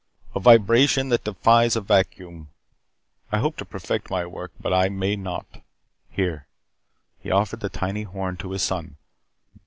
A vibration that defies a vacuum. I hope to perfect my work, but I may not. Here," he offered the tiny horn to his son.